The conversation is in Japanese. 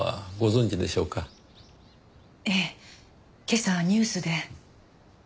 今朝ニュースで。